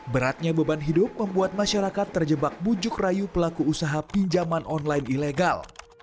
beratnya beban hidup membuat masyarakat terjebak bujuk rayu pelaku usaha pinjaman online ilegal